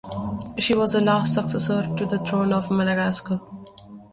She was the last successor to the throne of Madagascar.